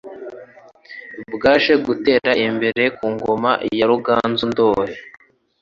Bwaje gutera imbere ku ngoma ya Ruganzu Ndoli